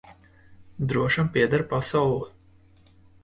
Drošam pieder pasaule.